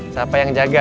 siapa yang jaga